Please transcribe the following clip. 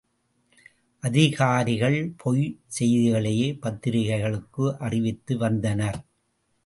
அதிகாரிகள் பொய்ச் செய்திகளையே பத்திரிகைகளுக்கு அறிவித்து வந்தனர்.